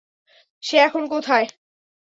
সে এখন কোথায়?